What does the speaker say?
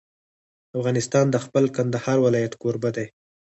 افغانستان د خپل کندهار ولایت کوربه دی.